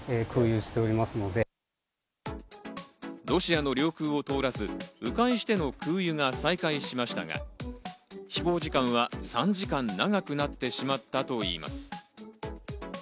ロシアの領空を通らず、迂回しての空輸が再開しましたが、飛行時間は３時間長くなってしまったといいます。